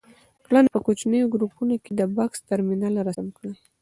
کړنه: په کوچنیو ګروپونو کې د بکس ترمینل رسم کړئ.